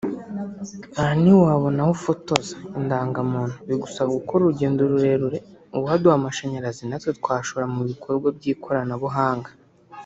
aha ntiwabona aho ufotoza indangamuntu bigusaba gukora urugendo rurerure uwaduha amashanyarazi natwe twashora mu bikorwa by’ikoranabuhanga